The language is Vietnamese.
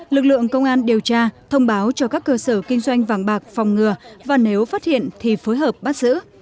lực lượng công an điều tra thông báo cho các cơ sở kinh doanh vàng bạc phòng ngừa và nếu phát hiện thì phối hợp bắt giữ